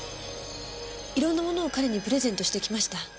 いろんなものを彼にプレゼントしてきました。